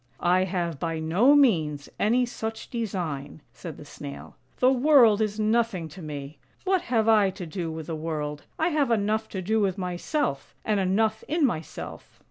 " I have by no means any such design," said the Snail. " The world is nothing to me. What have I to do with the world? I have enough to do with myself, and enough in myself."